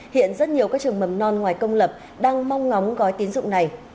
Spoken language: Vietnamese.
hiện rất nhiều các trường mầm non ngoài công lập đang mong ngóng gói tín dụng này